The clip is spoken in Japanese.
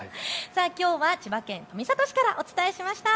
きょうは千葉県富里市からお伝えしました。